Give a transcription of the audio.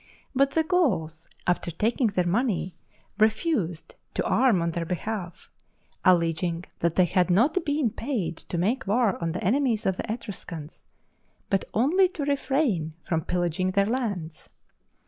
But the Gauls, after taking their money, refused to arm on their behalf, alleging that they had not been paid to make war on the enemies of the Etruscans, but only to refrain from pillaging their lands.